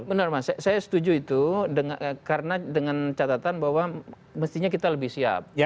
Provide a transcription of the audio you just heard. benar mas saya setuju itu karena dengan catatan bahwa mestinya kita lebih siap